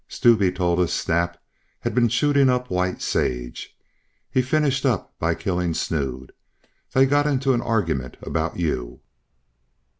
Stube told us Snap had been shooting up White Sage. He finished up by killing Snood. They got into an argument about you."